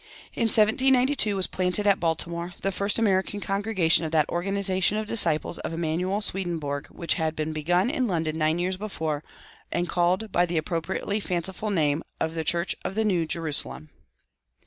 In 1792 was planted at Baltimore the first American congregation of that organization of disciples of Emanuel Swedenborg which had been begun in London nine years before and called by the appropriately fanciful name of "the Church of the New Jerusalem."